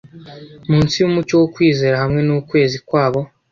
munsi yumucyo wo kwizera hamwe nukwezi kwabo